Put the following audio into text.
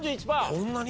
こんなに？